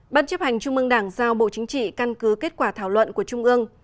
ban chấp hành trung mương đảng giao bộ chính trị căn cứ kết quả thảo luận của trung ương